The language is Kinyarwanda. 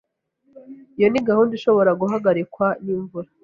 Iyo ni gahunda ishobora guhagarikwa n'imvura.